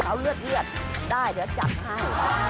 เอาเลือดได้เดี๋ยวจัดให้